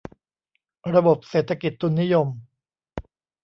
ระบบเศรษฐกิจทุนนิยม